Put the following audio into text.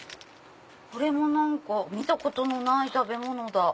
これも何か見たことのない食べ物だ。